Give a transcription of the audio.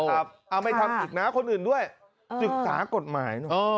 เอาไม่ทำอีกนะคนอื่นด้วยศึกษากฎหมาย